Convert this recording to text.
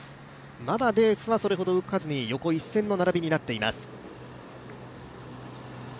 まだレースはそれほど動かずに、横一線となっております。